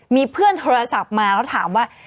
มีเพื่อนโทรศัพท์มาแล้วถามว่า